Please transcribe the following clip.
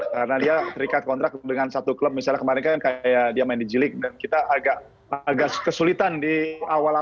mungkin empat komponen ini yang bisa menjadi dasar pemilihan pemainnya gitu